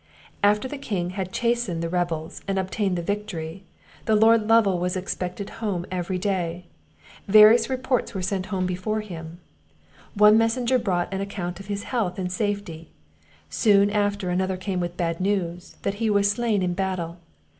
"After the King had chastised the rebels, and obtained the victory, the Lord Lovel was expected home every day; various reports were sent home before him; one messenger brought an account of his health and safety; soon after another came with bad news, that he was slain in battle.